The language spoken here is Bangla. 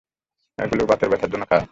এগুলো ও বাতের ব্যাথার জন্য খায়!